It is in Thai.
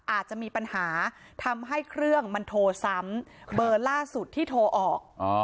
อาจจะมีปัญหาทำให้เครื่องมันโทรซ้ำเบอร์ล่าสุดที่โทรออก